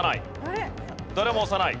誰も押さない。